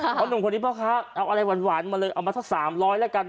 เพราะหนุ่มคนนี้พ่อค้าเอาอะไรหวานมาเลยเอามาสัก๓๐๐แล้วกัน